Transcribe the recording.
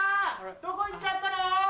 どこ行っちゃったの？